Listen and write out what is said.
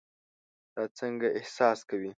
دا څنګه احساس کوي؟